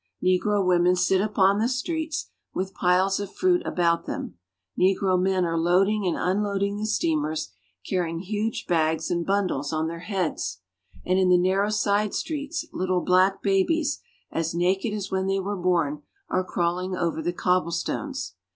Negro women sit upon the streets, with piles of fruit about them ; negro men are loading and un loading the steamers, carrying huge bags and bundles on their heads ; and in the narrow side streets little black babies, as naked as when they were born, are crawHng over the cobblestones.